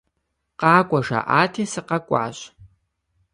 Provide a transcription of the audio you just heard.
Къакӏуэ жаӏати, сыкъэкӏуащ.